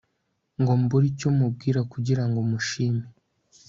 ngo mbure icyo mubwira kugira ngo mushime